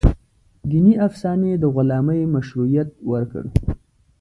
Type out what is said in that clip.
دیني افسانې د غلامۍ مشروعیت ورکړ.